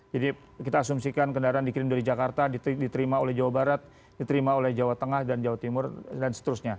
jadi kita asumsikan kendaraan dikirim dari jakarta diterima oleh jawa barat diterima oleh jawa tengah dan jawa timur dan seterusnya